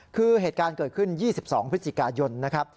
คือเหตุการณ์เกิดขึ้น๒๒พฤศจิกายนนะครับ